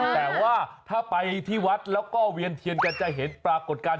แต่ว่าถ้าไปที่วัดแล้วก็เวียนเทียนกันจะเห็นปรากฏการณ์